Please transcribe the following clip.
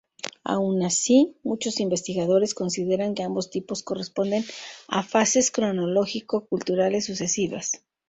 Aun así, muchos investigadores consideran que ambos tipos corresponden a fases cronológico-culturales sucesivas.